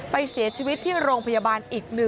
ไปเสียชีวิตที่โรงพยาบาลอีก๑